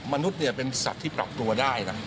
มนุษย์เนี่ยเป็นสัตว์ที่ปลอบตัวได้นะ